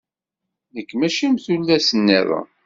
Nekk mačči am tullas-niḍen.